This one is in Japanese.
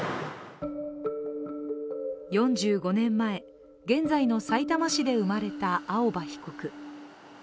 ４５年前、現在のさいたま市で生まれた青葉被告。